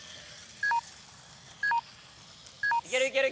いけるいける！